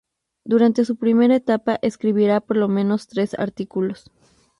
Durante su primera etapa escribirá por lo menos tres artículos.